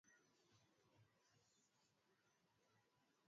kauli ya kupuuza ki mikakati ambayo inachukuliwa na au